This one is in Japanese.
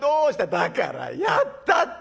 「だからやったって」。